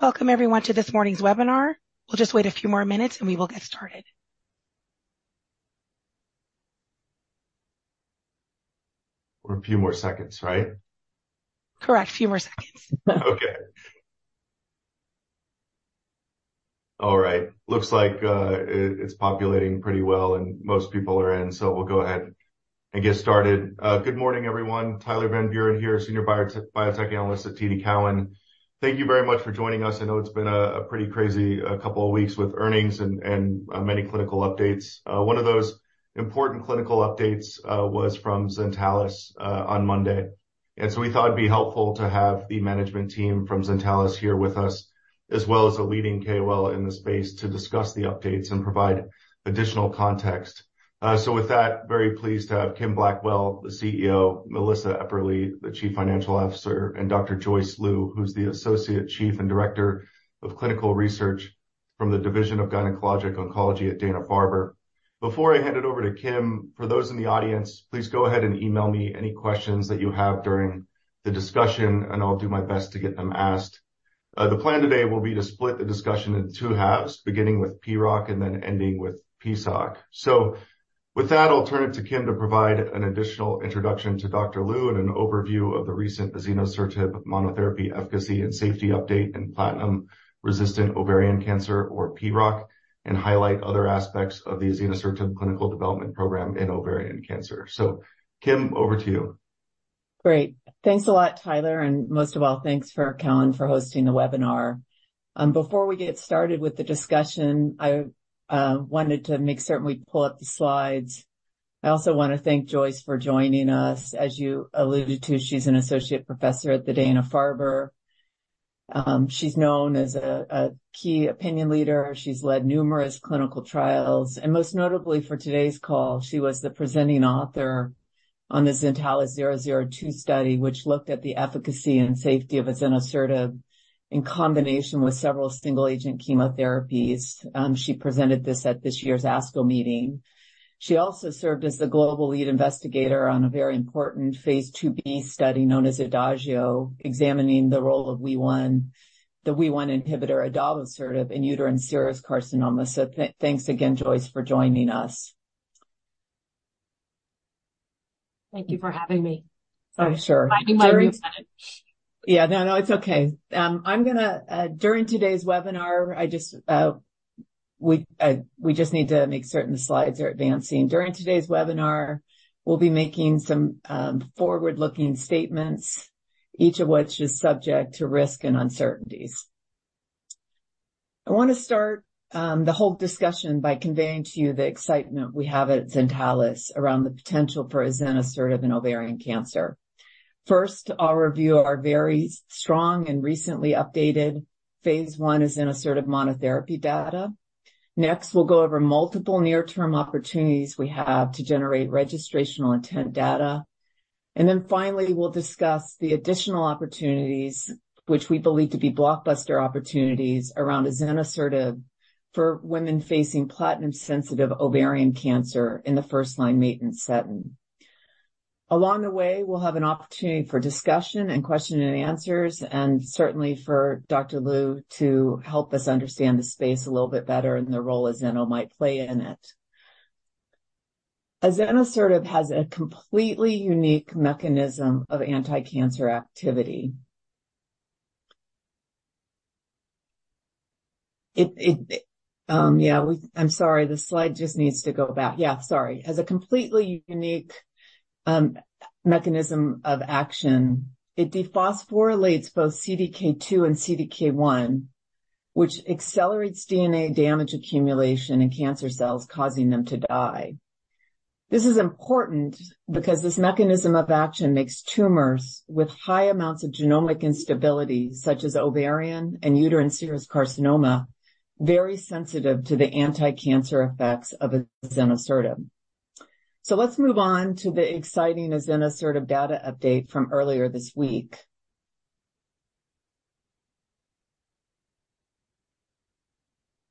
Welcome everyone to this morning's webinar. We'll just wait a few more minutes, and we will get started. Or a few more seconds, right? Correct. A few more seconds. Okay. All right. Looks like, it, it's populating pretty well, and most people are in, so we'll go ahead and get started. Good morning, everyone. Tyler Van Buren here, Senior Biotech Analyst at TD Cowen. Thank you very much for joining us. I know it's been a, a pretty crazy, couple of weeks with earnings and, and, many clinical updates. One of those important clinical updates, was from Zentalis, on Monday, and so we thought it'd be helpful to have the management team from Zentalis here with us, as well as the leading KOL in the space, to discuss the updates and provide additional context. So with that, very pleased to have Kim Blackwell, the CEO, Melissa Epperly, the Chief Financial Officer, and Dr. Joyce Liu, who's the Associate Chief and Director of Clinical Research from the Division of Gynecologic Oncology at Dana-Farber. Before I hand it over to Kim, for those in the audience, please go ahead and email me any questions that you have during the discussion, and I'll do my best to get them asked. The plan today will be to split the discussion into two halves, beginning with PROC and then ending with PSOC. So with that, I'll turn it to Kim to provide an additional introduction to Dr. Liu and an overview of the recent azenosertib monotherapy efficacy and safety update in platinum-resistant ovarian cancer or PROC, and highlight other aspects of the azenosertib clinical development program in ovarian cancer. So, Kim, over to you. Great. Thanks a lot, Tyler, and most of all, thanks for Cowen for hosting the webinar. Before we get started with the discussion, I wanted to make certain we pull up the slides. I also want to thank Joyce for joining us. As you alluded to, she's an associate professor at the Dana-Farber. She's known as a key opinion leader. She's led numerous clinical trials, and most notably for today's call, she was the presenting author on the Zentalis 002 study, which looked at the efficacy and safety of azenosertib in combination with several single-agent chemotherapies. She presented this at this year's ASCO meeting. She also served as the global lead investigator on a very important phase IIb study known as ADAGIO, examining the role of WEE1, the WEE1 inhibitor, adavosertib, in uterine serous carcinoma. So thanks again, Joyce, for joining us. Thank you for having me. Oh, sure. I think I... Yeah, no, no, it's okay. During today's webinar, we just need to make certain the slides are advancing. During today's webinar, we'll be making some forward-looking statements, each of which is subject to risk and uncertainties. I want to start the whole discussion by conveying to you the excitement we have at Zentalis around the potential for azenosertib in ovarian cancer. First, I'll review our very strong and recently updated phase I azenosertib monotherapy data. Next, we'll go over multiple near-term opportunities we have to generate registrational intent data. And then finally, we'll discuss the additional opportunities, which we believe to be blockbuster opportunities, around azenosertib for women facing platinum-sensitive ovarian cancer in the first-line maintenance setting. Along the way, we'll have an opportunity for discussion and question and answers, and certainly for Dr. Liu to help us understand the space a little bit better and the role azenosertib might play in it. Azenosertib has a completely unique mechanism of anticancer activity. It has a completely unique mechanism of action. It dephosphorylates both CDK2 and CDK1, which accelerates DNA damage accumulation in cancer cells, causing them to die. This is important because this mechanism of action makes tumors with high amounts of genomic instability, such as ovarian and uterine serous carcinoma, very sensitive to the anticancer effects of azenosertib. So let's move on to the exciting azenosertib data update from earlier this week.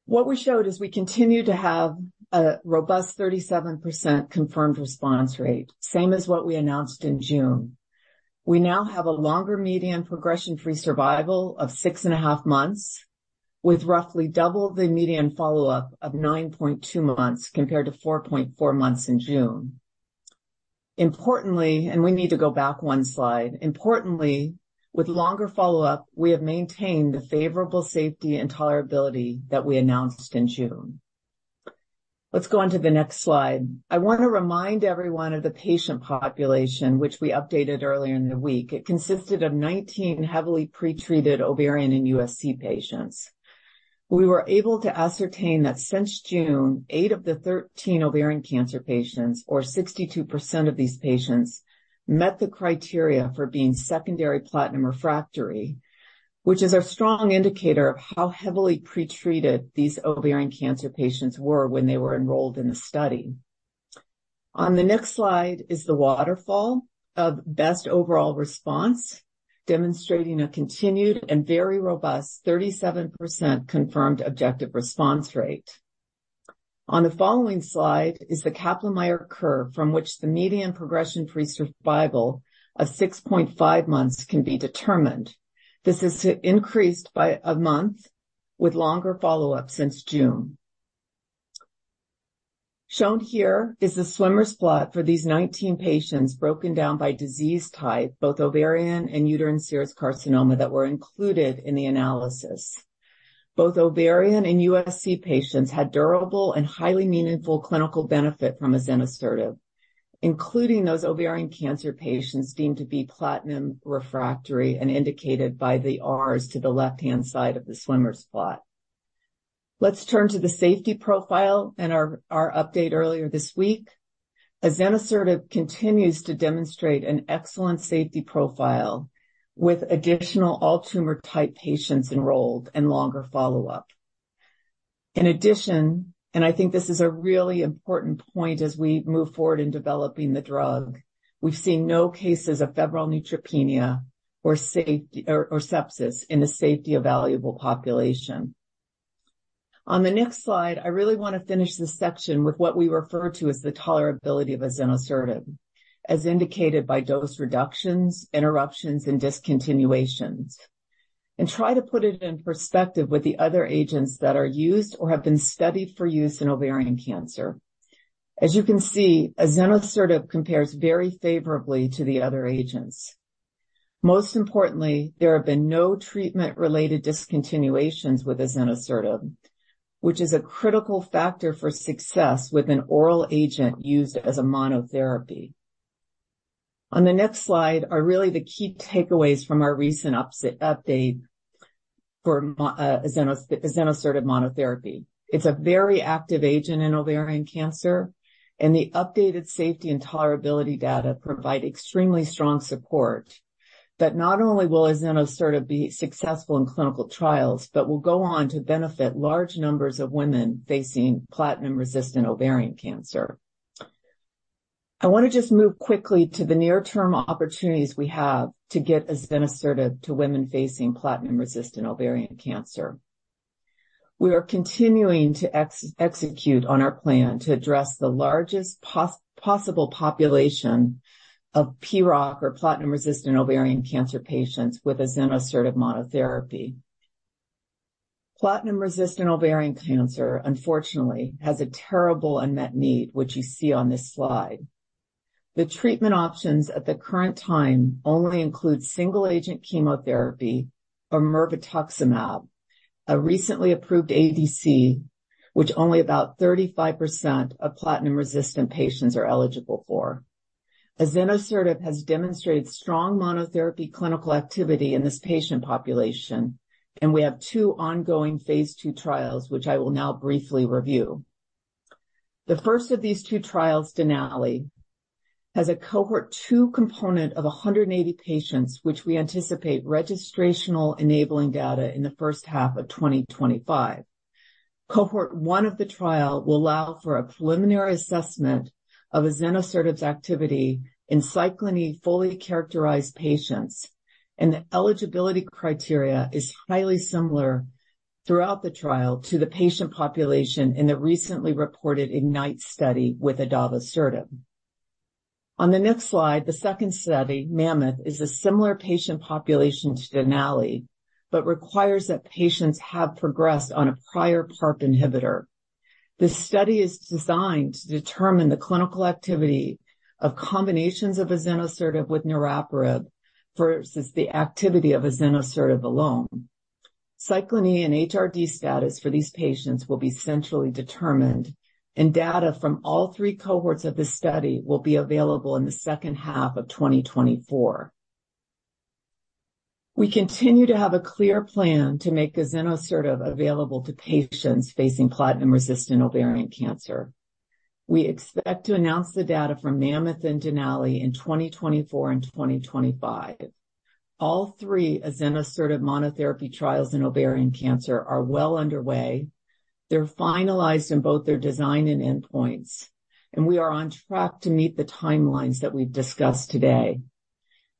What we showed is we continued to have a robust 37% confirmed response rate, same as what we announced in June. We now have a longer median progression-free survival of 6.5 months, with roughly double the median follow-up of 9.2 months, compared to 4.4 months in June. Importantly... And we need to go back one slide. Importantly, with longer follow-up, we have maintained the favorable safety and tolerability that we announced in June. Let's go on to the next slide. I want to remind everyone of the patient population, which we updated earlier in the week. It consisted of 19 heavily pretreated ovarian and USC patients. We were able to ascertain that since June, eight of the 13 ovarian cancer patients, or 62% of these patients, met the criteria for being secondary platinum refractory, which is a strong indicator of how heavily pretreated these ovarian cancer patients were when they were enrolled in the study. On the next slide is the waterfall of best overall response, demonstrating a continued and very robust 37% confirmed objective response rate. On the following slide is the Kaplan-Meier curve, from which the median Progression-Free Survival of 6.5 months can be determined. This is increased by a month, with longer follow-up since June. Shown here is the swimmer's plot for these 19 patients, broken down by disease type, both ovarian and Uterine Serous Carcinoma, that were included in the analysis. Both ovarian and USC patients had durable and highly meaningful clinical benefit from azenosertib, including those ovarian cancer patients deemed to be platinum refractory and indicated by the Rs to the left-hand side of the swimmer's plot. Let's turn to the safety profile and our update earlier this week. Azenosertib continues to demonstrate an excellent safety profile with additional all tumor type patients enrolled and longer follow-up. In addition, and I think this is a really important point as we move forward in developing the drug, we've seen no cases of febrile neutropenia or safety or sepsis in the safety evaluable population. On the next slide, I really want to finish this section with what we refer to as the tolerability of azenosertib, as indicated by dose reductions, interruptions, and discontinuations. Try to put it in perspective with the other agents that are used or have been studied for use in ovarian cancer. As you can see, azenosertib compares very favorably to the other agents. Most importantly, there have been no treatment-related discontinuations with azenosertib, which is a critical factor for success with an oral agent used as a monotherapy. On the next slide are really the key takeaways from our recent update for azenosertib monotherapy. It's a very active agent in ovarian cancer, and the updated safety and tolerability data provide extremely strong support that not only will azenosertib be successful in clinical trials, but will go on to benefit large numbers of women facing platinum-resistant ovarian cancer. I want to just move quickly to the near-term opportunities we have to get azenosertib to women facing platinum-resistant ovarian cancer. We are continuing to execute on our plan to address the largest possible population of PROC or platinum-resistant ovarian cancer patients with azenosertib monotherapy. Platinum-resistant ovarian cancer, unfortunately, has a terrible unmet need, which you see on this slide. The treatment options at the current time only include single-agent chemotherapy or mirvetuximab, a recently approved ADC, which only about 35% of platinum-resistant patients are eligible for. Azenosertib has demonstrated strong monotherapy clinical activity in this patient population, and we have two ongoing phase II trials, which I will now briefly review. The first of these two trials, DENALI, has a Cohort 2 component of 180 patients, which we anticipate registrational enabling data in the first half of 2025. Cohort 1 of the trial will allow for a preliminary assessment of azenosertib's activity in cyclin E fully characterized patients, and the eligibility criteria is highly similar throughout the trial to the patient population in the recently reported IGNITE study with adavosertib. On the next slide, the second study, MAMMOTH, is a similar patient population to DENALI but requires that patients have progressed on a prior PARP inhibitor. This study is designed to determine the clinical activity of combinations of azenosertib with niraparib versus the activity of azenosertib alone. Cyclin E and HRD status for these patients will be centrally determined, and data from all three cohorts of this study will be available in the second half of 2024. We continue to have a clear plan to make azenosertib available to patients facing platinum-resistant ovarian cancer. We expect to announce the data from MAMMOTH and DENALI in 2024 and 2025. All three azenosertib monotherapy trials in ovarian cancer are well underway. They're finalized in both their design and endpoints, and we are on track to meet the timelines that we've discussed today.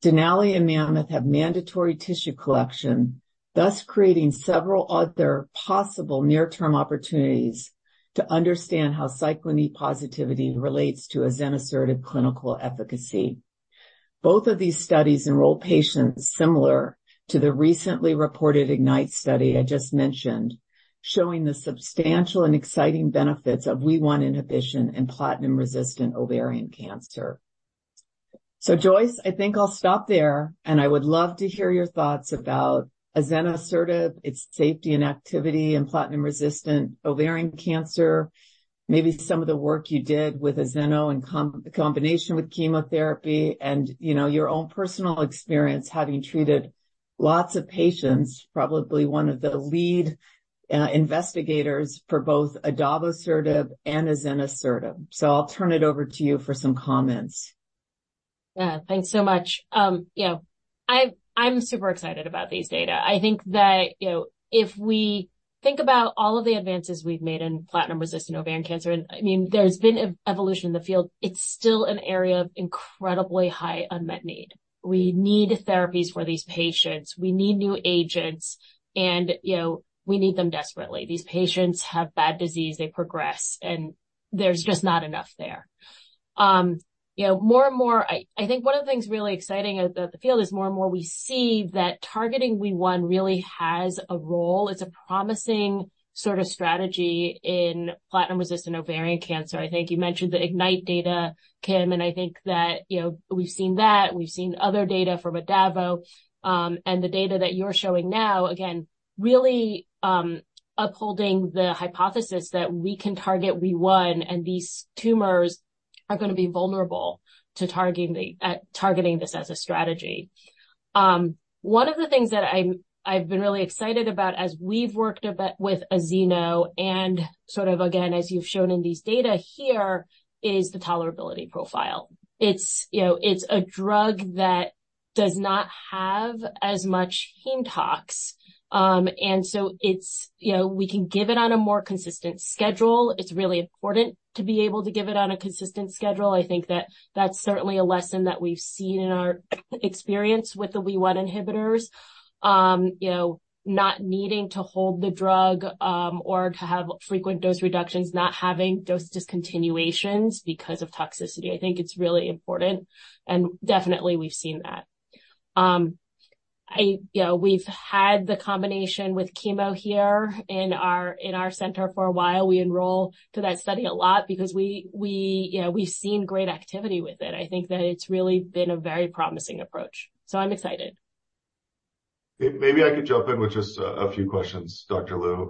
DENALI and MAMMOTH have mandatory tissue collection, thus creating several other possible near-term opportunities to understand how Cyclin E positivity relates to azenosertib clinical efficacy. Both of these studies enroll patients similar to the recently reported IGNITE study I just mentioned, showing the substantial and exciting benefits of WEE1 inhibition in platinum-resistant ovarian cancer. So, Joyce, I think I'll stop there, and I would love to hear your thoughts about azenosertib, its safety and activity in platinum-resistant ovarian cancer, maybe some of the work you did with azeno in combination with chemotherapy and, you know, your own personal experience, having treated lots of patients, probably one of the lead investigators for both adavosertib and azenosertib. So I'll turn it over to you for some comments. ... Yeah, thanks so much. You know, I'm super excited about these data. I think that, you know, if we think about all of the advances we've made in platinum-resistant ovarian cancer, and, I mean, there's been evolution in the field, it's still an area of incredibly high unmet need. We need therapies for these patients. We need new agents, and, you know, we need them desperately. These patients have bad disease, they progress, and there's just not enough there. You know, more and more, I think one of the things really exciting in the field is more and more we see that targeting WEE1 really has a role. It's a promising sort of strategy in platinum-resistant ovarian cancer. I think you mentioned the IGNITE data, Kim, and I think that, you know, we've seen that, we've seen other data from adavosertib, and the data that you're showing now, again, really, upholding the hypothesis that we can target WEE1, and these tumors are gonna be vulnerable to targeting the, targeting this as a strategy. One of the things that I'm, I've been really excited about as we've worked a bit with azenosertib and sort of, again, as you've shown in these data here, is the tolerability profile. It's, you know, it's a drug that does not have as much heme tox. And so it's, you know, we can give it on a more consistent schedule. It's really important to be able to give it on a consistent schedule. I think that that's certainly a lesson that we've seen in our experience with the WEE1 inhibitors. You know, not needing to hold the drug, or to have frequent dose reductions, not having dose discontinuations because of toxicity. I think it's really important, and definitely, we've seen that. You know, we've had the combination with chemo here in our center for a while. We enroll to that study a lot because you know, we've seen great activity with it. I think that it's really been a very promising approach, so I'm excited. Maybe I could jump in with just a few questions, Dr. Liu.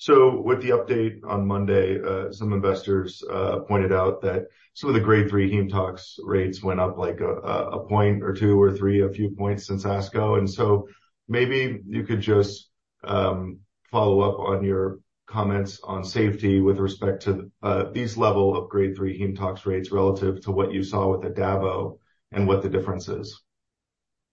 So with the update on Monday, some investors pointed out that some of the grade 3 heme tox rates went up like a point or two or three, a few points since ASCO. So maybe you could just follow up on your comments on safety with respect to these level of grade 3 heme tox rates relative to what you saw with adavosertib and what the difference is.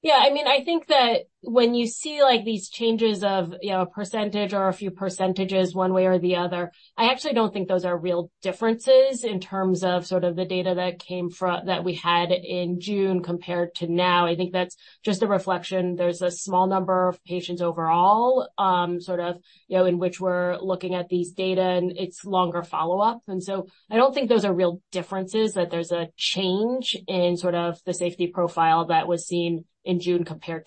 Yeah, I mean, I think that when you see, like, these changes of, you know, a percentage or a few percentages one way or the other, I actually don't think those are real differences in terms of sort of the data that came from... that we had in June compared to now. I think that's just a reflection. There's a small number of patients overall, sort of, you know, in which we're looking at these data, and it's longer follow-up. And so I don't think those are real differences, that there's a change in sort of the safety profile that was seen in June compared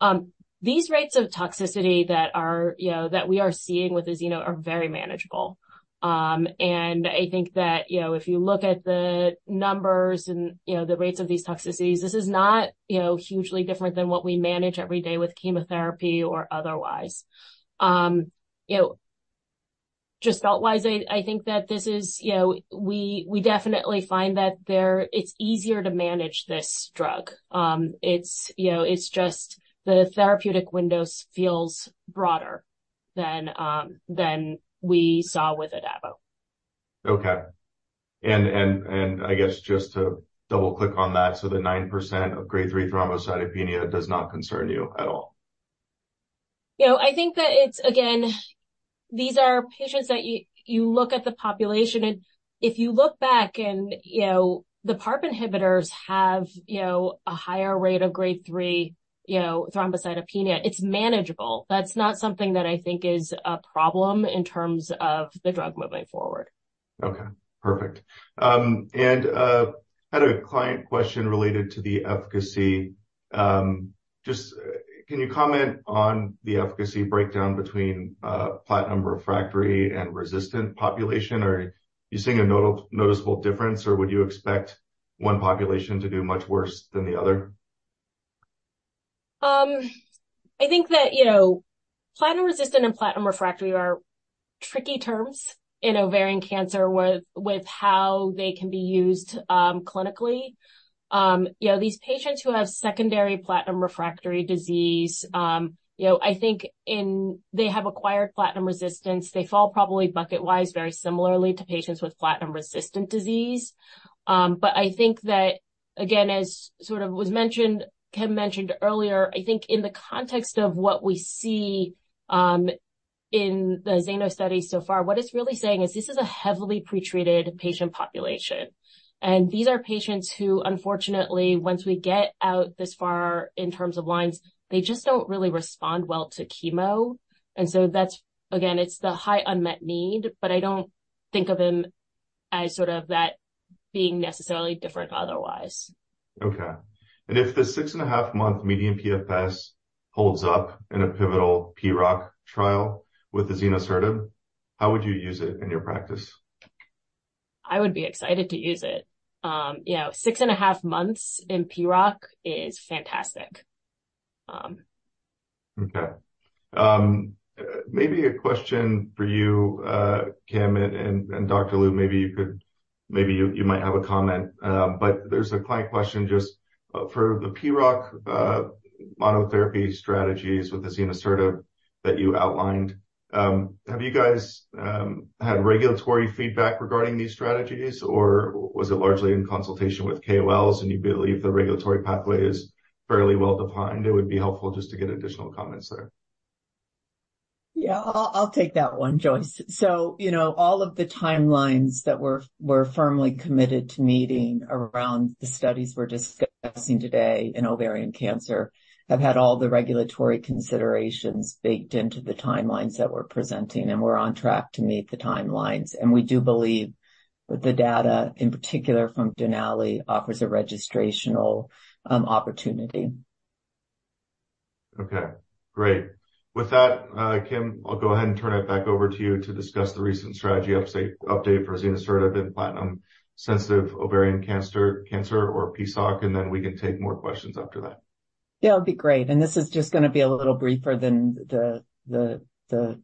to now. These rates of toxicity that are, you know, that we are seeing with azenosertib are very manageable. And I think that, you know, if you look at the numbers and, you know, the rates of these toxicities, this is not, you know, hugely different than what we manage every day with chemotherapy or otherwise. You know, just felt wise, I think that this is, you know, we definitely find that there—it's easier to manage this drug. It's, you know, it's just the therapeutic windows feels broader than we saw with adavosertib. Okay. And I guess just to double-click on that, so the 9% of grade 3 thrombocytopenia does not concern you at all? You know, I think that it's again, these are patients that you look at the population, and if you look back and, you know, the PARP inhibitors have, you know, a higher rate of grade 3, you know, thrombocytopenia. It's manageable. That's not something that I think is a problem in terms of the drug moving forward. Okay, perfect. I had a client question related to the efficacy. Just, can you comment on the efficacy breakdown between platinum refractory and resistant population? Are you seeing a noticeable difference, or would you expect one population to do much worse than the other? I think that, you know, platinum-resistant and platinum-refractory are tricky terms in ovarian cancer with, with how they can be used, clinically. You know, these patients who have secondary platinum-refractory disease, you know, I think They have acquired platinum resistance. They fall probably bucket-wise, very similarly to patients with platinum-resistant disease. But I think that, again, as sort of was mentioned, Kim mentioned earlier, I think in the context of what we see, in the azenosertib study so far, what it's really saying is this is a heavily pretreated patient population. And these are patients who, unfortunately, once we get out this far in terms of lines, they just don't really respond well to chemo. And so that's again, it's the high unmet need, but I don't think of them as sort of that being necessarily different otherwise. Okay. And if the 6.5-month median PFS holds up in a pivotal PROC trial with azenosertib, how would you use it in your practice? I would be excited to use it. You know, 6.5 months in PROC is fantastic. Okay. Maybe a question for you, Kim and Dr. Liu, maybe you might have a comment. But there's a client question just for the PROC monotherapy strategies with azenosertib that you outlined. Have you guys had regulatory feedback regarding these strategies, or was it largely in consultation with KOLs, and you believe the regulatory pathway is fairly well-defined? It would be helpful just to get additional comments there. Yeah, I'll, I'll take that one, Joyce. So, you know, all of the timelines that we're, we're firmly committed to meeting around the studies we're discussing today in ovarian cancer, have had all the regulatory considerations baked into the timelines that we're presenting, and we're on track to meet the timelines. We do be that the data, in particular from Denali, offers a registrational opportunity. Okay, great. With that, Kim, I'll go ahead and turn it back over to you to discuss the recent strategy update for azenosertib in platinum-sensitive ovarian cancer or PSOC, and then we can take more questions after that. Yeah, that'd be great. This is just going to be a little briefer than the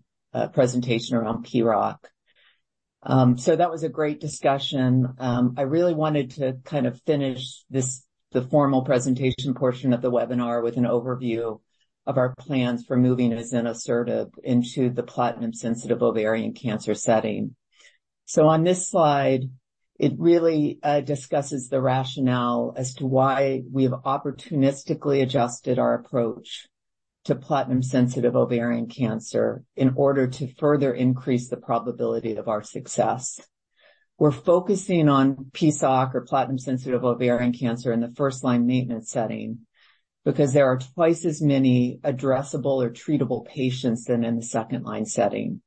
presentation around PROC. So that was a great discussion. I really wanted to kind of finish the formal presentation portion of the webinar with an overview of our plans for moving azenosertib into the platinum-sensitive ovarian cancer setting. On this slide, it really discusses the rationale as to why we have opportunistically adjusted our approach to platinum-sensitive ovarian cancer in order to further increase the probability of our success. We're focusing on PSOC or platinum-sensitive ovarian cancer in the first-line maintenance setting because there are twice as many addressable or treatable patients than in the second-line setting.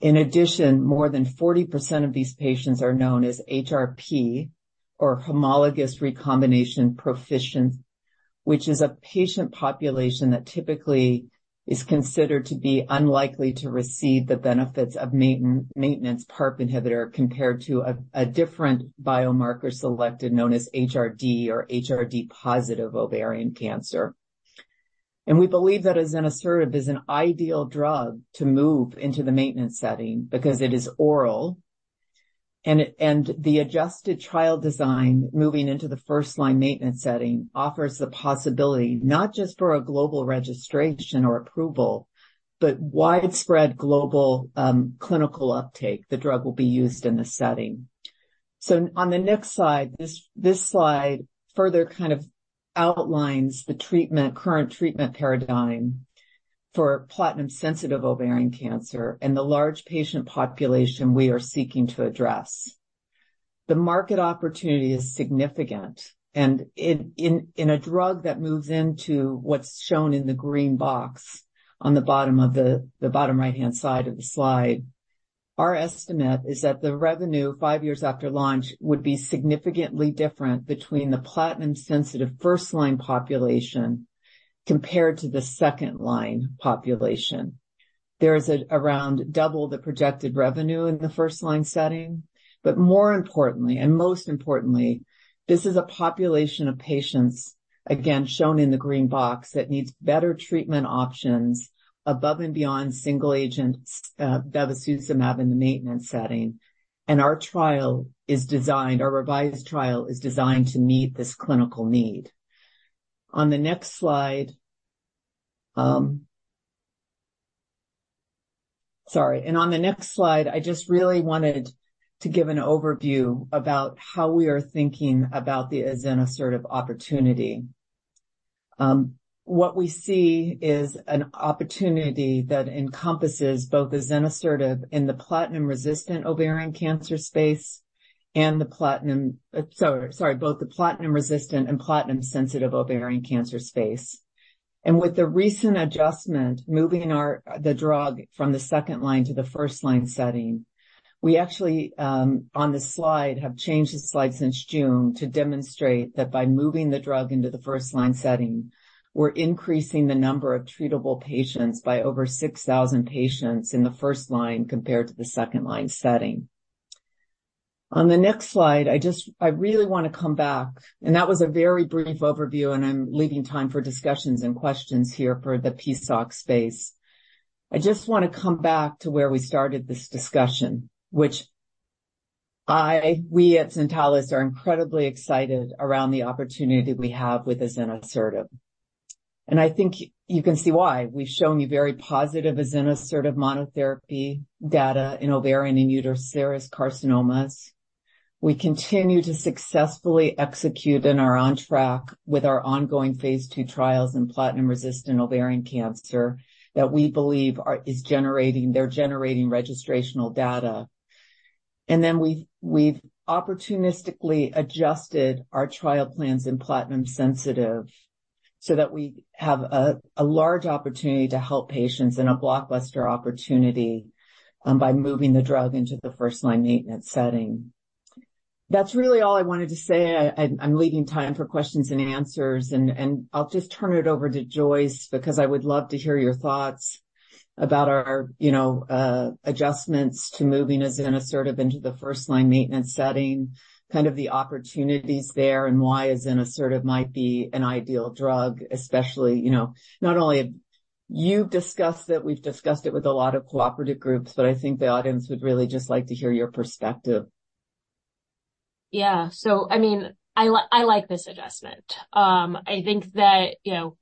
In addition, more than 40% of these patients are known as HRP or homologous recombination proficient, which is a patient population that typically is considered to be unlikely to receive the benefits of maintenance PARP inhibitor, compared to a different biomarker selected, known as HRD or HRD-positive ovarian cancer. We believe that azenosertib is an ideal drug to move into the maintenance setting because it is oral and it and the adjusted trial design, moving into the first-line maintenance setting, offers the possibility not just for a global registration or approval, but widespread global clinical uptake. The drug will be used in this setting. On the next slide, this slide further kind of outlines the current treatment paradigm for platinum-sensitive ovarian cancer and the large patient population we are seeking to address. The market opportunity is significant, and in a drug that moves into what's shown in the green box, on the bottom of the bottom right-hand side of the slide. Our estimate is that the revenue, five years after launch, would be significantly different between the platinum-sensitive first-line population compared to the second-line population. There is around double the projected revenue in the first-line setting, but more importantly, and most importantly, this is a population of patients, again, shown in the green box, that needs better treatment options above and beyond single agent bevacizumab in the maintenance setting. And our trial is designed—our revised trial is designed to meet this clinical need. On the next slide, sorry, and on the next slide, I just really wanted to give an overview about how we are thinking about the azenosertib opportunity. What we see is an opportunity that encompasses both azenosertib in the platinum-resistant ovarian cancer space and both the platinum-resistant and platinum-sensitive ovarian cancer space. And with the recent adjustment, moving the drug from the second line to the first-line setting, we actually, on this slide, have changed the slide since June to demonstrate that by moving the drug into the first-line setting, we're increasing the number of treatable patients by over 6,000 patients in the first line compared to the second-line setting. On the next slide, I just I really want to come back, and that was a very brief overview, and I'm leaving time for discussions and questions here for the PSOC space. I just want to come back to where we started this discussion, which I, we at Zentalis, are incredibly excited around the opportunity that we have with azenosertib. And I think you can see why. We've shown you very positive azenosertib monotherapy data in ovarian and uterine serous carcinomas. We continue to successfully execute and are on track with our ongoing phase II trials in platinum-resistant ovarian cancer that we believe are generating registrational data. And then we've opportunistically adjusted our trial plans in platinum-sensitive so that we have a large opportunity to help patients and a blockbuster opportunity by moving the drug into the first-line maintenance setting. That's really all I wanted to say. I'm leaving time for questions and answers, and I'll just turn it over to Joyce, because I would love to hear your thoughts about our, you know, adjustments to moving azenosertib into the first-line maintenance setting, kind of the opportunities there, and why azenosertib might be an ideal drug, especially, you know, not only you've discussed it, we've discussed it with a lot of cooperative groups, but I think the audience would really just like to hear your perspective. ... Yeah. So, I mean, I like this adjustment. I think that, you know,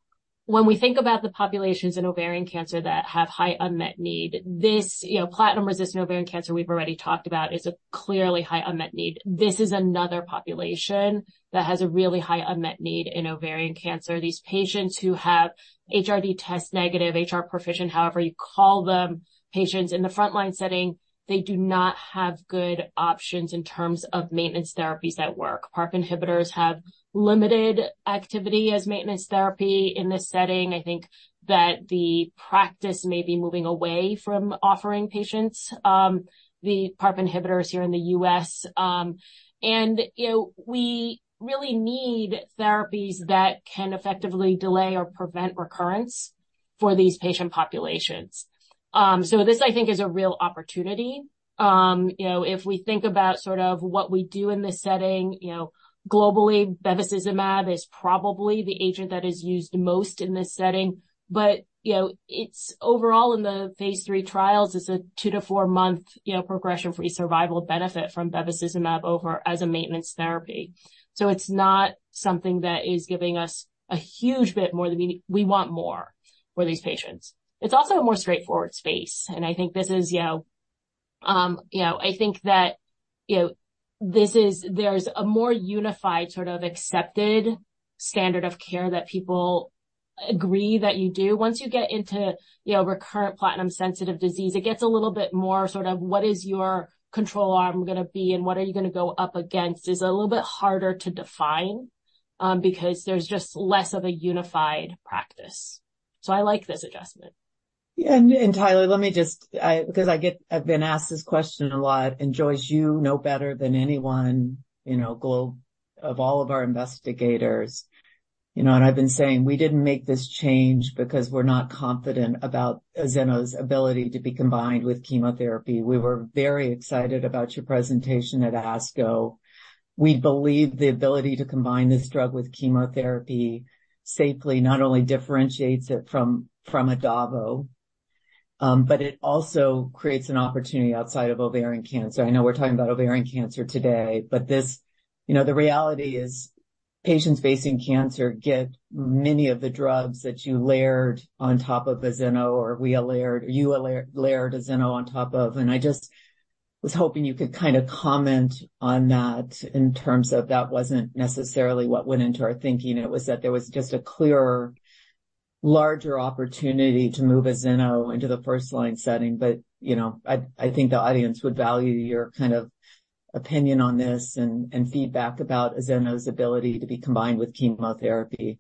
when we think about the populations in ovarian cancer that have high unmet need, this, you know, platinum-resistant ovarian cancer we've already talked about is a clearly high unmet need. This is another population that has a really high unmet need in ovarian cancer. These patients who have HRD test negative, HR proficient, however you call them, patients in the frontline setting, they do not have good options in terms of maintenance therapies that work. PARP inhibitors have limited activity as maintenance therapy in this setting. I think that the practice may be moving away from offering patients, the PARP inhibitors here in the U.S. And, you know, we really need therapies that can effectively delay or prevent recurrence for these patient populations. So this, I think, is a real opportunity. You know, if we think about sort of what we do in this setting, you know, globally, bevacizumab is probably the agent that is used most in this setting. But, you know, it's overall in the phase 3 trials, it's a 2 month-4 month, you know, progression-free survival benefit from bevacizumab over as a maintenance therapy. So it's not something that is giving us a huge bit more than we need. We want more for these patients. It's also a more straightforward space, and I think this is, you know, you know, I think that, you know, this is. There's a more unified, sort of accepted standard of care that people agree that you do. Once you get into, you know, recurrent platinum-sensitive disease, it gets a little bit more sort of what is your control arm gonna be and what are you gonna go up against? It's a little bit harder to define, because there's just less of a unified practice. So I like this adjustment. Yeah, Tyler, let me just... Because I get, I've been asked this question a lot, and Joyce, you know better than anyone, you know, globally, of all of our investigators. You know, and I've been saying we didn't make this change because we're not confident about azeno's ability to be combined with chemotherapy. We were very excited about your presentation at ASCO. We believe the ability to combine this drug with chemotherapy safely not only differentiates it from adavo, but it also creates an opportunity outside of ovarian cancer. I know we're talking about ovarian cancer today, but this, you know, the reality is patients facing cancer get many of the drugs that you layered on top of azeno, or we layered, you layer, layered azeno on top of. I just was hoping you could kind of comment on that in terms of that wasn't necessarily what went into our thinking. It was that there was just a clearer, larger opportunity to move azeno into the first-line setting. But, you know, I think the audience would value your kind of opinion on this and feedback about azeno's ability to be combined with chemotherapy.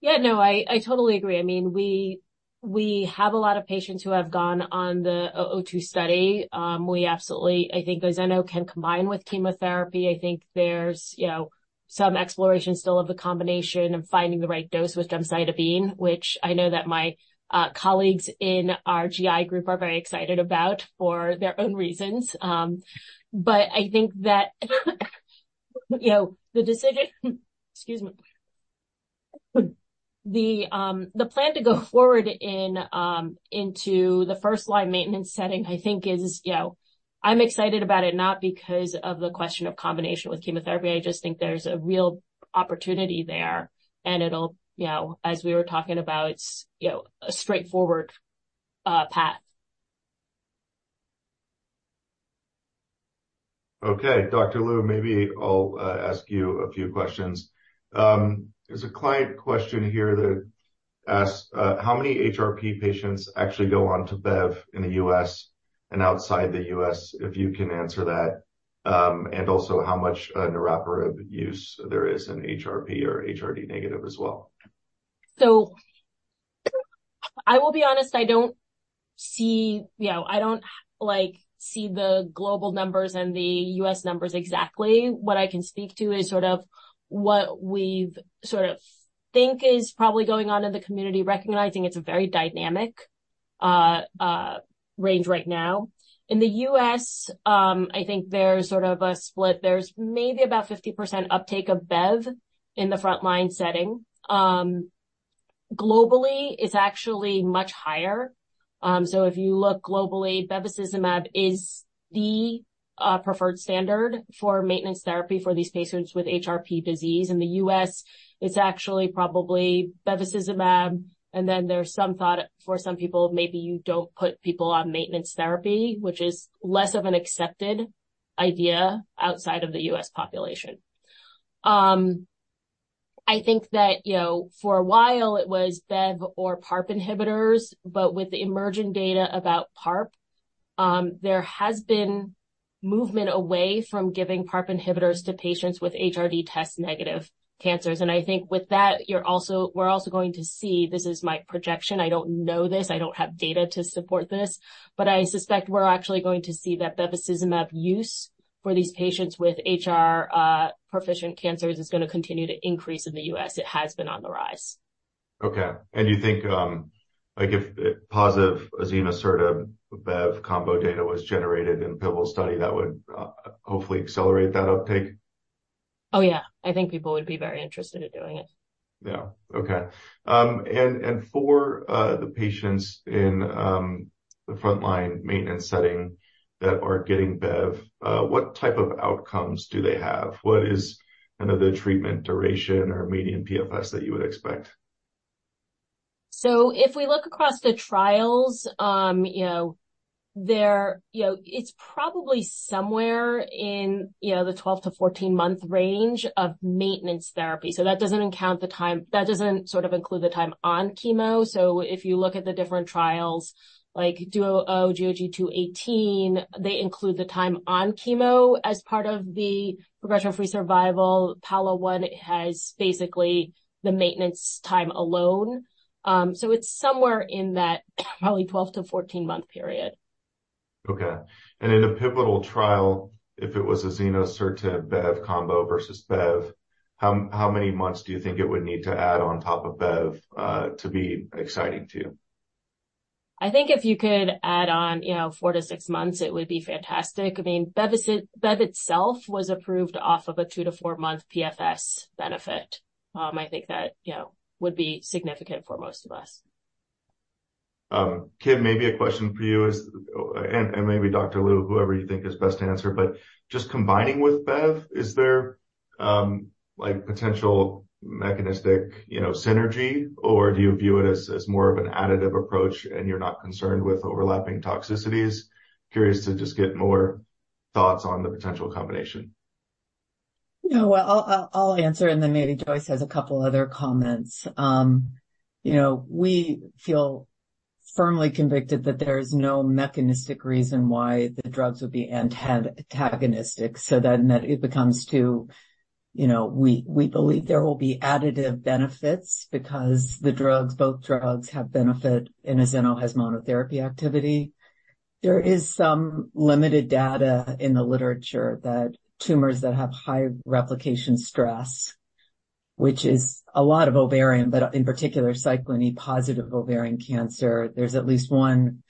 Yeah, no, I, I totally agree. I mean, we, we have a lot of patients who have gone on the 002 study. We absolutely. I think azeno can combine with chemotherapy. I think there's, you know, some exploration still of the combination and finding the right dose with gemcitabine, which I know that my colleagues in our GI group are very excited about for their own reasons. But I think that, you know, the decision, excuse me, the plan to go forward into the first-line maintenance setting, I think is, you know, I'm excited about it not because of the question of combination with chemotherapy. I just think there's a real opportunity there, and it'll, you know, as we were talking about, you know, a straightforward path. Okay, Dr. Liu, maybe I'll ask you a few questions. There's a client question here that asks, "How many HRP patients actually go on to Bev in the U.S. and outside the U.S.?" If you can answer that, and also how much niraparib use there is in HRP or HRD negative as well. So I will be honest, I don't see, you know, I don't, like, see the global numbers and the U.S. numbers exactly. What I can speak to is sort of what we've sort of think is probably going on in the community, recognizing it's a very dynamic range right now. In the U.S., I think there's sort of a split. There's maybe about 50% uptake of Bev in the frontline setting. Globally, it's actually much higher. So if you look globally, bevacizumab is the preferred standard for maintenance therapy for these patients with HRP disease. In the U.S., it's actually probably bevacizumab, and then there's some thought for some people, maybe you don't put people on maintenance therapy, which is less of an accepted idea outside of the U.S. population. I think that, you know, for a while it was Bev or PARP inhibitors, but with the emerging data about PARP, there has been movement away from giving PARP inhibitors to patients with HRD test negative cancers. And I think with that, you're also, we're also going to see, this is my projection, I don't know this, I don't have data to support this, but I suspect we're actually going to see that bevacizumab use for these patients with HR proficient cancers is gonna continue to increase in the U.S. It has been on the rise. Okay. And you think, like, if positive azenosertib, Bev combo data was generated in a pivotal study, that would hopefully accelerate that uptake?... Oh, yeah, I think people would be very interested in doing it. Yeah. Okay. And for the patients in the frontline maintenance setting that are getting Bev, what type of outcomes do they have? What is kind of the treatment duration or median PFS that you would expect? So if we look across the trials, you know, there, you know, it's probably somewhere in, you know, the 12-14-month range of maintenance therapy. So that doesn't count the time. That doesn't sort of include the time on chemo. So if you look at the different trials, like DUO, GOG-218, they include the time on chemo as part of the progression-free survival. PAOLA-1 has basically the maintenance time alone. So it's somewhere in that probably 12-14-month period. Okay. In a pivotal trial, if it was azenosertib Bev combo versus Bev, how many months do you think it would need to add on top of Bev to be exciting to you? I think if you could add on, you know, 4-6 months, it would be fantastic. I mean, Bev, Bev itself was approved off of a 2-4-month PFS benefit. I think that, you know, would be significant for most of us. Kim, maybe a question for you is, and maybe Dr. Liu, whoever you think is best to answer, but just combining with Bev, is there, like, potential mechanistic, you know, synergy, or do you view it as more of an additive approach and you're not concerned with overlapping toxicities? Curious to just get more thoughts on the potential combination. Yeah, well, I'll answer, and then maybe Joyce has a couple other comments. You know, we feel firmly convicted that there is no mechanistic reason why the drugs would be antagonistic, so then that it becomes to... You know, we believe there will be additive benefits because the drugs, both drugs, have benefit in azenosertib as monotherapy activity. There is some limited data in the literature that tumors that have high replication stress, which is a lot of ovarian, but in particular, Cyclin E-positive ovarian cancer. There's at least one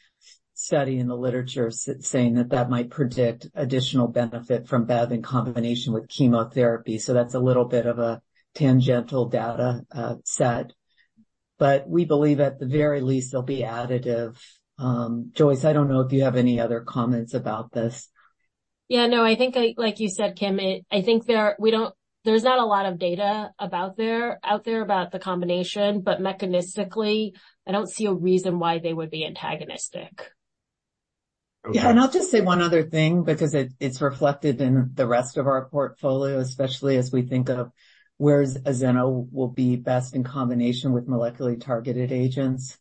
study in the literature saying that that might predict additional benefit from Bev in combination with chemotherapy. So that's a little bit of a tangential data set, but we believe at the very least, they'll be additive. Joyce, I don't know if you have any other comments about this. Yeah, no, I think, like you said, Kim, I think there's not a lot of data out there about the combination, but mechanistically, I don't see a reason why they would be antagonistic. Okay. Yeah, and I'll just say one other thing because it, it's reflected in the rest of our portfolio, especially as we think of where ZN-c3 will be best in combination with molecularly targeted agents.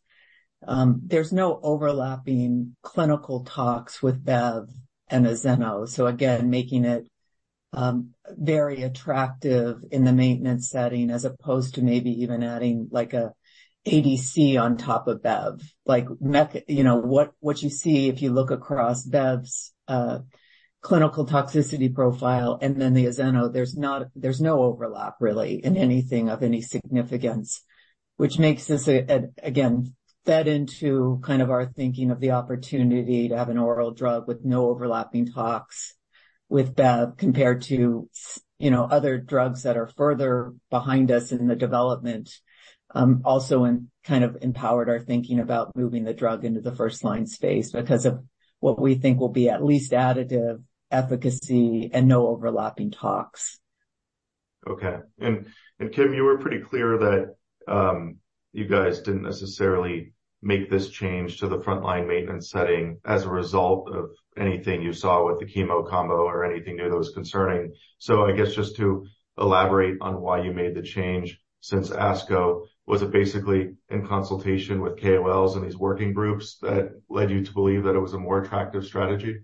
There's no overlapping clinical tox with Bev and ZN-c3. So again, making it very attractive in the maintenance setting, as opposed to maybe even adding, like, a ADC on top of Bev. Like, you know, what, what you see if you look across Bev's clinical toxicity profile and then the ZN-c3, there's not, there's no overlap really in anything of any significance, which makes this, again, fed into kind of our thinking of the opportunity to have an oral drug with no overlapping tox with Bev, compared to, you know, other drugs that are further behind us in the development. Also, and kind of empowered our thinking about moving the drug into the first-line space because of what we think will be at least additive efficacy and no overlapping talks. Okay. And, Kim, you were pretty clear that, you guys didn't necessarily make this change to the frontline maintenance setting as a result of anything you saw with the chemo combo or anything new that was concerning. So I guess just to elaborate on why you made the change since ASCO, was it basically in consultation with KOLs and these working groups that led you to believe that it was a more attractive strategy?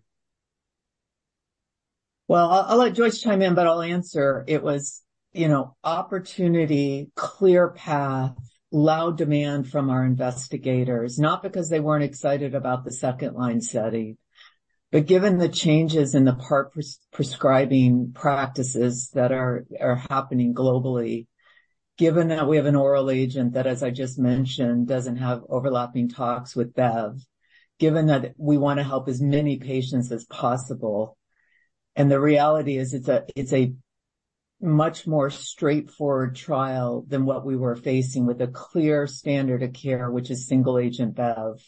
Well, I'll, I'll let Joyce chime in, but I'll answer. It was, you know, opportunity, clear path, loud demand from our investigators, not because they weren't excited about the second line study. But given the changes in the PARP prescribing practices that are, are happening globally, given that we have an oral agent that, as I just mentioned, doesn't have overlapping toxicities with Bev, given that we want to help as many patients as possible. And the reality is it's a, it's a much more straightforward trial than what we were facing with a clear standard of care, which is single-agent Bev.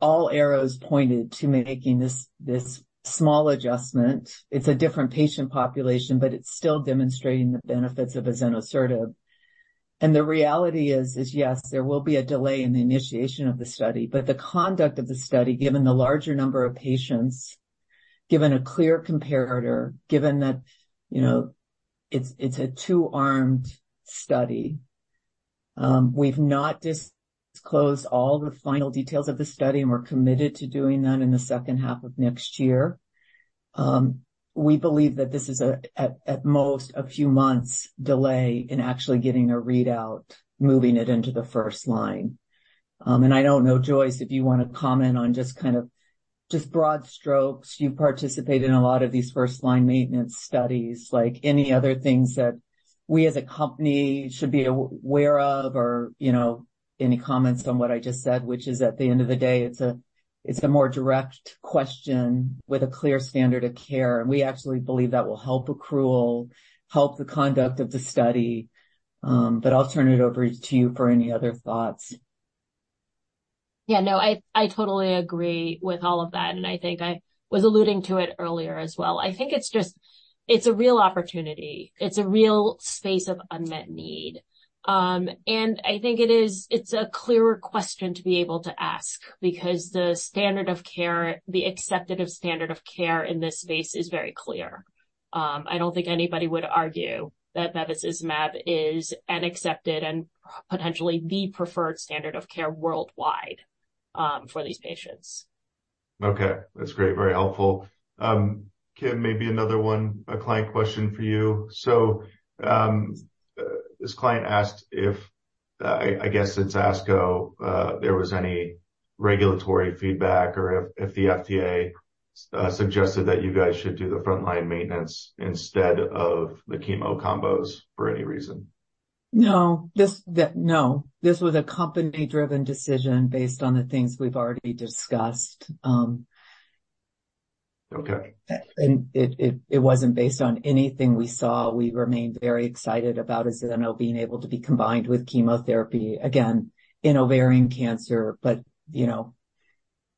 All arrows pointed to making this, this small adjustment. It's a different patient population, but it's still demonstrating the benefits of azenosertib. The reality is, is yes, there will be a delay in the initiation of the study, but the conduct of the study, given the larger number of patients, given a clear comparator, given that, you know, it's, it's a two-armed study. We've not disclosed all the final details of the study, and we're committed to doing that in the second half of next year. We believe that this is a, at, at most, a few months delay in actually getting a readout, moving it into the first line. And I don't know, Joyce, if you want to comment on just kind of just broad strokes. You participate in a lot of these first-line maintenance studies, like any other things that-... We, as a company, should be aware of, or, you know, any comments on what I just said, which is, at the end of the day, it's a more direct question with a clear standard of care. And we actually believe that will help accrual, help the conduct of the study. But I'll turn it over to you for any other thoughts. Yeah, no, I, I totally agree with all of that, and I think I was alluding to it earlier as well. I think it's just - it's a real opportunity. It's a real space of unmet need. And I think it is - it's a clearer question to be able to ask, because the standard of care, the accepted standard of care in this space is very clear. I don't think anybody would argue that bevacizumab is an accepted and potentially the preferred standard of care worldwide, for these patients. Okay, that's great. Very helpful. Kim, maybe another one, a client question for you. So, this client asked if, I guess at ASCO, there was any regulatory feedback or if the FDA suggested that you guys should do the frontline maintenance instead of the chemo combos for any reason? No, this was a company-driven decision based on the things we've already discussed. Okay. And it wasn't based on anything we saw. We remained very excited about azeno being able to be combined with chemotherapy, again, in ovarian cancer. But, you know,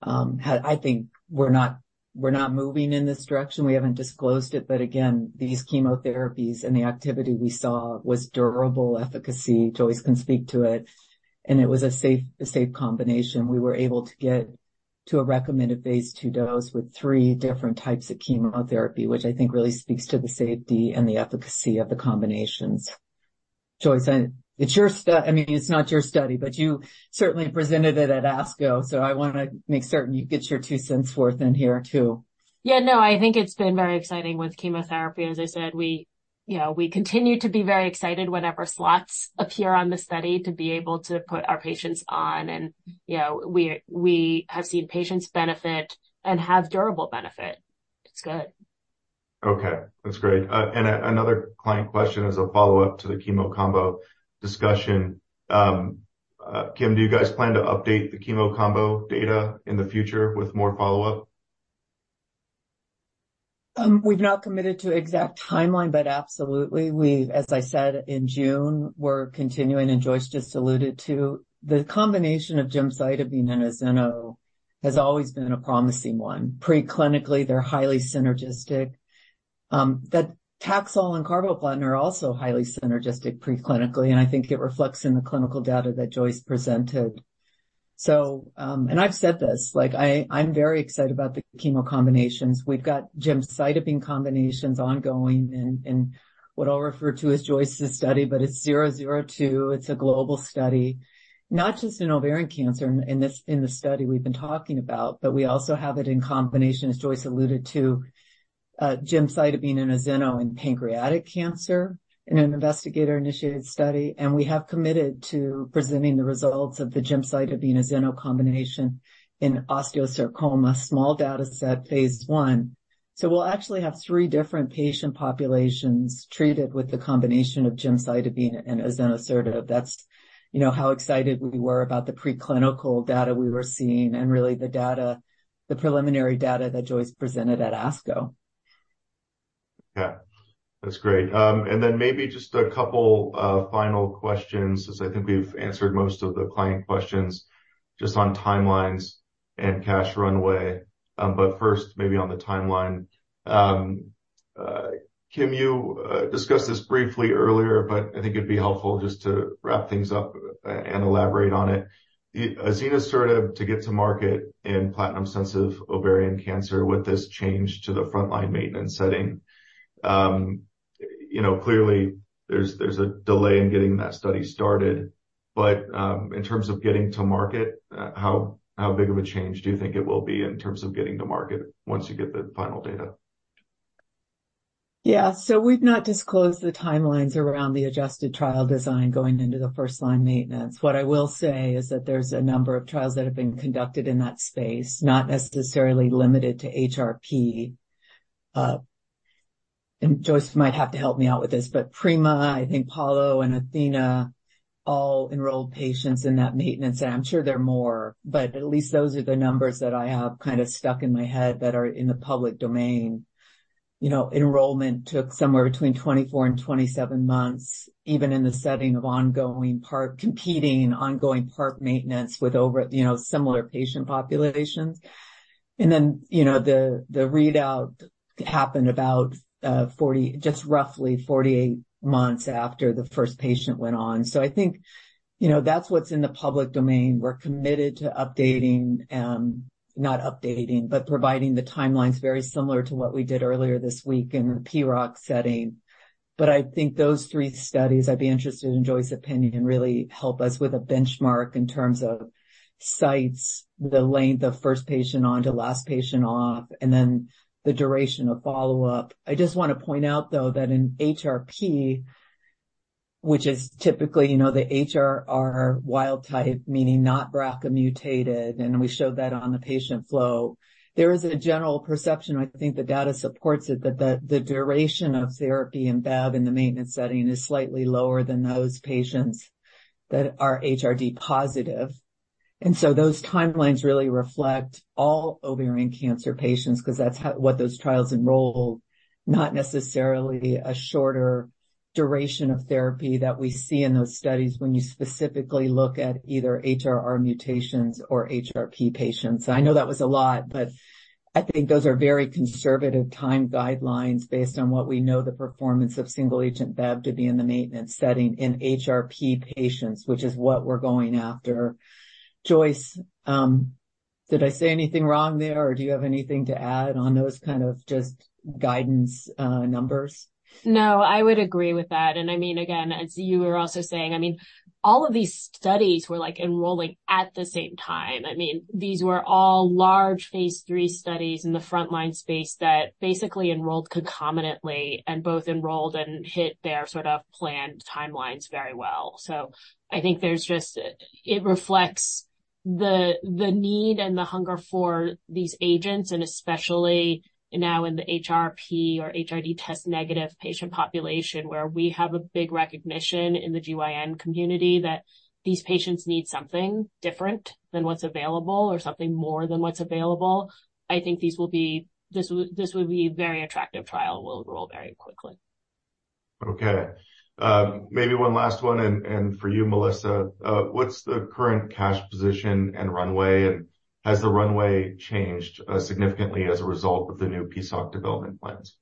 I think we're not moving in this direction. We haven't disclosed it. But again, these chemotherapies and the activity we saw was durable efficacy. Joyce can speak to it, and it was a safe combination. We were able to get to a recommended phase two dose with three different types of chemotherapy, which I think really speaks to the safety and the efficacy of the combinations. Joyce, and it's your study, I mean, it's not your study, but you certainly presented it at ASCO, so I want to make certain you get your two cents worth in here, too. Yeah, no, I think it's been very exciting with chemotherapy. As I said, we, you know, we continue to be very excited whenever slots appear on the study to be able to put our patients on. And, you know, we have seen patients benefit and have durable benefit. It's good. Okay, that's great. Another client question as a follow-up to the chemo combo discussion. Kim, do you guys plan to update the chemo combo data in the future with more follow-up? We've not committed to an exact timeline, but absolutely. We've, as I said in June, we're continuing, and Joyce just alluded to the combination of gemcitabine and azeno has always been a promising one. Preclinically, they're highly synergistic. That Taxol and carboplatin are also highly synergistic preclinically, and I think it reflects in the clinical data that Joyce presented. So, and I've said this, like, I, I'm very excited about the chemo combinations. We've got gemcitabine combinations ongoing in what I'll refer to as Joyce's study, but it's 002. It's a global study, not just in ovarian cancer, in this study we've been talking about, but we also have it in combination, as Joyce alluded to, gemcitabine and azeno in pancreatic cancer, in an investigator-initiated study. We have committed to presenting the results of the gemcitabine azenosertib combination in osteosarcoma, small data set, phase I. So we'll actually have three different patient populations treated with the combination of gemcitabine and azenosertib. That's, you know, how excited we were about the preclinical data we were seeing and really the data, the preliminary data that Joyce presented at ASCO. Yeah, that's great. And then maybe just a couple final questions, because I think we've answered most of the client questions, just on timelines and cash runway. But first, maybe on the timeline. Kim, you discussed this briefly earlier, but I think it'd be helpful just to wrap things up and elaborate on it. The azenosertib to get to market in platinum-sensitive ovarian cancer with this change to the frontline maintenance setting, you know, clearly there's a delay in getting that study started, but in terms of getting to market, how big of a change do you think it will be in terms of getting to market once you get the final data? Yeah. So we've not disclosed the timelines around the adjusted trial design going into the first-line maintenance. What I will say is that there's a number of trials that have been conducted in that space, not necessarily limited to HRP. And Joyce might have to help me out with this, but PRIMA, I think PAOLA and ATHENA, all enrolled patients in that maintenance, and I'm sure there are more, but at least those are the numbers that I have kind of stuck in my head that are in the public domain. You know, enrollment took somewhere between 24 and 27 months, even in the setting of ongoing PARP, competing ongoing PARP maintenance with over, you know, similar patient populations. And then, you know, the, the readout happened about, just roughly 48 months after the first patient went on. So I think, you know, that's what's in the public domain. We're committed to updating, not updating, but providing the timelines very similar to what we did earlier this week in the PROC setting. But I think those three studies, I'd be interested in Joyce's opinion, really help us with a benchmark in terms of sites, the length of first patient on to last patient off, and then the duration of follow-up. I just want to point out, though, that in HRP, which is typically, you know, the HRP wild type, meaning not BRCA mutated, and we showed that on the patient flow. There is a general perception, I think the data supports it, that the duration of therapy in Bev in the maintenance setting is slightly lower than those patients that are HRD positive. And so those timelines really reflect all ovarian cancer patients, because that's what those trials enroll, not necessarily a shorter duration of therapy that we see in those studies when you specifically look at either HRD mutations or HRP patients. I know that was a lot, but I think those are very conservative time guidelines based on what we know the performance of single agent Bev to be in the maintenance setting in HRP patients, which is what we're going after. Joyce, did I say anything wrong there, or do you have anything to add on those kind of just guidance numbers? No, I would agree with that. And I mean, again, as you were also saying, I mean, all of these studies were, like, enrolling at the same time. I mean, these were all large phase III studies in the frontline space that basically enrolled concomitantly and both enrolled and hit their sort of planned timelines very well. So I think there's just, it reflects the, the need and the hunger for these agents, and especially now in the HRP or HRD test negative patient population, where we have a big recognition in the GYN community that these patients need something different than what's available or something more than what's available. I think these will be... This, this will be a very attractive trial, will roll very quickly. Okay. Maybe one last one, and for you, Melissa. What's the current cash position and runway, and has the runway changed significantly as a result of the new PSOC development plans?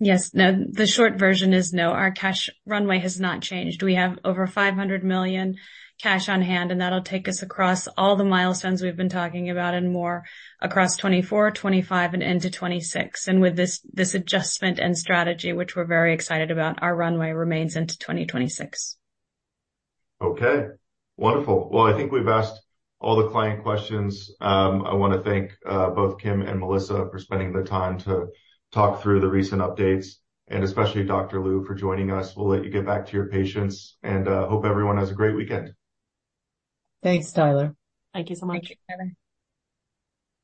Yes. No, the short version is no, our cash runway has not changed. We have over $500 million cash on hand, and that'll take us across all the milestones we've been talking about and more across 2024, 2025, and into 2026. And with this, this adjustment and strategy, which we're very excited about, our runway remains into 2026. Okay, wonderful. Well, I think we've asked all the client questions. I want to thank both Kim and Melissa for spending the time to talk through the recent updates, and especially Dr. Liu, for joining us. We'll let you get back to your patients, and hope everyone has a great weekend. Thanks, Tyler. Thank you so much. Thank you, Tyler.